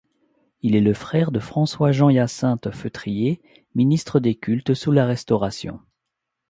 Il est le frère de François-Jean-Hyacinthe Feutrier, ministre des cultes sous la Restauration.